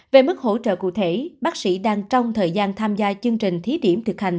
về mức hỗ trợ cụ thể bác sĩ đang trong thời gian tham gia chương trình thí điểm thực hành